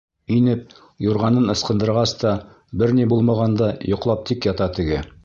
Инеп, юрғанын ыскындырғас та, бер ни булмағандай йоҡлап тик ята теге.